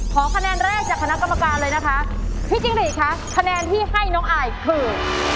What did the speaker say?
ขอคะแนนแรกจากคณะกรรมการเลยนะคะพี่จิ้งหรีดคะคะแนนที่ให้น้องอายคือ